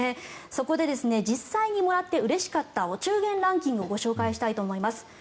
そこで実際にもらってうれしかったお中元ランキングをご紹介したいと思います。